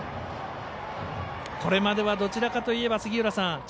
これまではどちらかといえば、杉浦さん。